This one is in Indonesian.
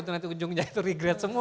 itu nanti ujungnya itu regret semua